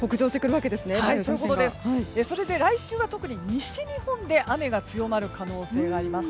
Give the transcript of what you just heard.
それで来週は特に西日本で雨が強まる可能性があります。